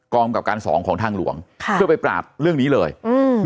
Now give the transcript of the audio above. กับการสองของทางหลวงค่ะเพื่อไปปราบเรื่องนี้เลยอืม